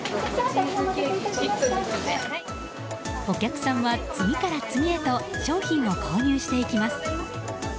お客さんは次から次へと商品を購入していきます。